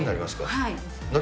はい。